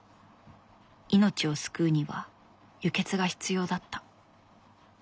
命を救うには輸血が必要だった。